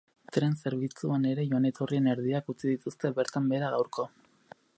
Tren zerbitzuan ere joan-etorrien erdiak utzi dituzte bertan behera gaurko.